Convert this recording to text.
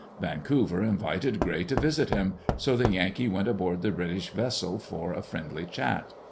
Vancouver invited Gray to visit him, so the Yankee went aboard the British vessel for a friendly chat.